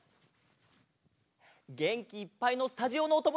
げんきいっぱいのスタジオのおともだちも。